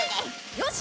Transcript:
よし！